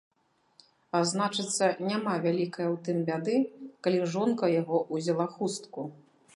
А значыцца, няма вялікае ў тым бяды, калі жонка яго ўзяла хустку.